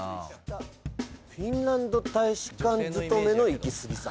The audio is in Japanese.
フィンランド大使館勤めのイキスギさん